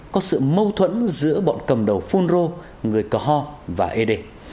có sự mâu thuẫn giữa bọn cầm đầu phun rô người cờ hò và ế đề